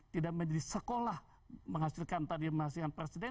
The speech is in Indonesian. tidak menjadi sekolah menghasilkan tadi menghasilkan presiden